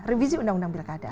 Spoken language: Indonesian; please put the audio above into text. revisi undang undang pilkada